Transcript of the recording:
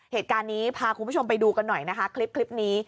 เหตุการณ์นี้พาคุณผู้ชมไปดูกันหน่อยนะคะคลิปนี้